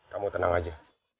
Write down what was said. kamu tenang aja